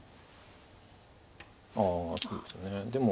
ああそうですねでも。